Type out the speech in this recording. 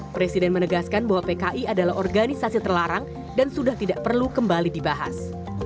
presiden menegaskan bahwa pki adalah organisasi terlarang dan sudah tidak perlu kembali dibahas